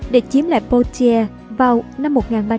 để chiếm lại portier vào năm một nghìn ba trăm bảy mươi hai